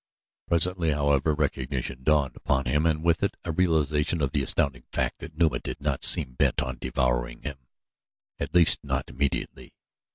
Presently, however, recognition dawned upon him and with it a realization of the astounding fact that Numa did not seem bent on devouring him at least not immediately.